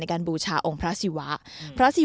แต่ว่าไปปลั๊คกับองค์พระศิวะได้ยังไง